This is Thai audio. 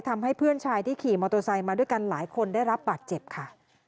ทำให้เพื่อนชายที่ขี่มอเตอร์ไซค์มาด้วยกันหลายคนได้รับบาดเจ็บค่ะ